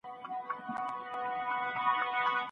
آیا بدترین حالت د کنټرول وړ دی.